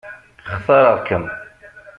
Xtareɣ-kem.